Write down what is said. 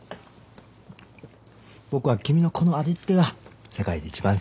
僕は君のこの味付けが世界で一番好きなんだから。